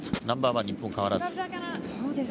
ナンバーワン、日本変わらず。